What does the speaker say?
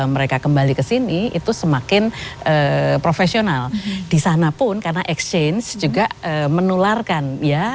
mereka kembali ke sini itu semakin profesional disanapun karena exchange juga menularkan ya